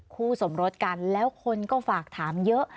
คู่สมรสกันแล้วคนก็ฝากถามเยอะ